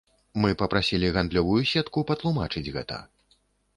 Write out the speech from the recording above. Мы папрасілі гандлёвую сетку патлумачыць гэта.